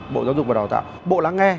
bộ giáo dục và đào tạo bộ lắng nghe